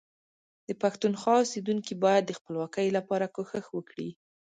د پښتونخوا اوسیدونکي باید د خپلواکۍ لپاره کوښښ وکړي